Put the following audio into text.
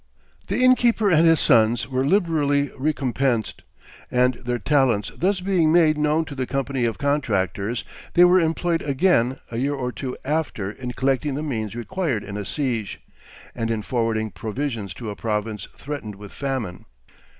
The innkeeper and his sons were liberally recompensed; and their talents thus being made known to the company of contractors, they were employed again a year or two after in collecting the means required in a siege, and in forwarding provisions to a province threatened with famine.